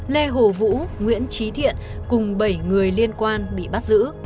lê hồ vũ nguyễn trí thiện cùng bảy người liên quan bị bắt giữ